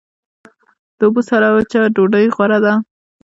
د اوبو سره وچه ډوډۍ غوره ده.